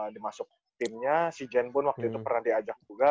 dimasuk timnya si jen pun waktu itu pernah diajak juga